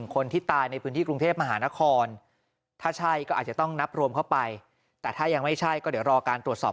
คนที่ตายในพื้นที่กรุงเทพฯมหานครถ้าใช่ก็อาจต้องนับลวมเข้าไปหรือว่าการตรวจสอบเพิ่มเติมด้วยนะครับ